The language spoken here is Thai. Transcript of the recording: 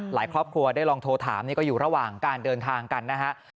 ครอบครัวได้ลองโทรถามนี่ก็อยู่ระหว่างการเดินทางกันนะครับ